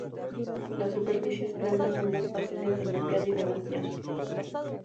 Las superficies planas son más fáciles de limpiar y de vaciar.